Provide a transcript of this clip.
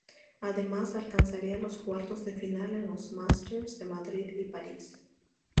Además alcanzaría los cuartos de final en los Masters de Madrid y París.